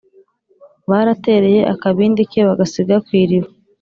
baratereye akabindi ke bagasiga ku iriba.